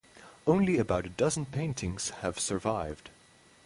Only about a dozen paintings have survived.